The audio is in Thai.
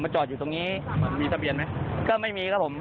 ตัยแบบผ้านหมวกกระดอบเต็มใบครับผม